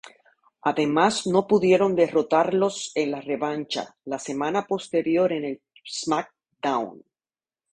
Además no pudieron derrotarlos en la revancha, la semana posterior en "SmackDown!".